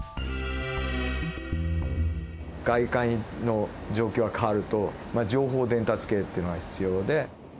外界の状況が変わるとまあ情報伝達系っていうのが必要で。